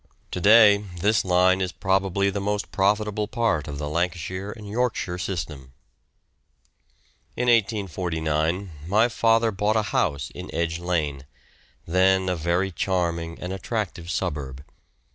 To day this line is probably the most profitable part of the Lancashire and Yorkshire system. In 1849 my father bought a house in Edge Lane, then a very charming and attractive suburb.